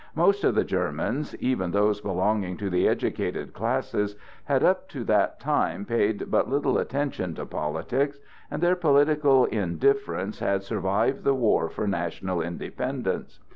Most of the Germans, even those belonging to the educated classes, had up to that time paid but little attention to politics, and their political indifference had survived the war for national independence.